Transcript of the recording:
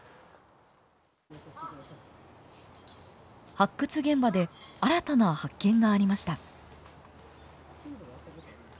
発掘現場で新たな発見がありました。